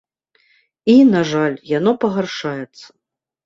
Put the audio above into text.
І, на жаль, яно пагаршаецца.